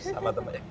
sama teman ya